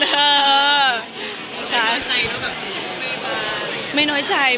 เดี๋ยวเขาจะไม่สนใจหนูก่อน